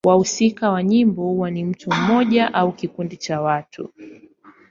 Wahusika wa nyimbo huwa ni mtu mmoja au kikundi cha watu.